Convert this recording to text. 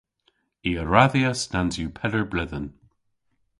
I a radhyas nans yw peder bledhen.